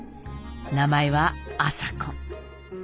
名前は麻子。